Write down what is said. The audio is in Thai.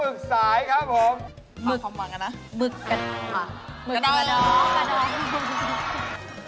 กลับทำมากันนะมึกกระด่อวะครับมึกกระดอ่อกระดอ่อ